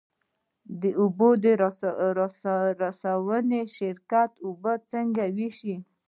د اوبو رسونې شرکت اوبه څنګه ویشي؟